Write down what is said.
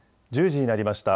１０時になりました。